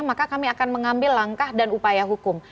maka kami akan mengambil langkah dan upaya hukum